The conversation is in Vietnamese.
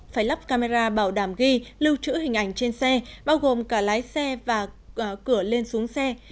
phải lắp camera bảo đảm ghi lưu trữ hình ảnh trên xe bao gồm cả lái xe và cửa lên xuống xe